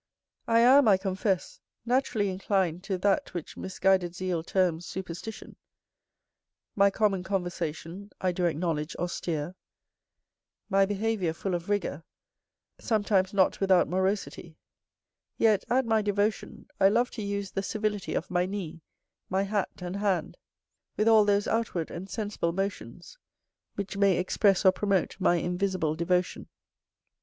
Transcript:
I am, I confess, naturally inclined to that which misguided zeal terms superstition: my common conversation I do acknowledge austere, my behaviour full of rigour, sometimes not without morosity; yet, at my devotion I love to use the civility of my knee, my hat, and hand, with all those outward and sensible motions which may express or promote my invisible devotion.